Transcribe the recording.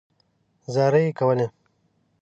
زارۍ کولې.